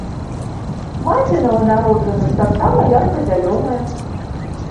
Маці нованароджаных таксама ярка-зялёная.